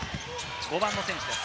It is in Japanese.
５番の選手です。